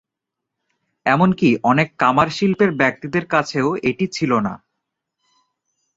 এমন কি অনেক কামার শিল্পের ব্যক্তিদের কাছেও এটি ছিল না।